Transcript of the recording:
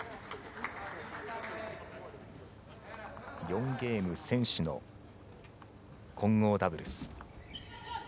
４ゲーム先取の混合ダブルス。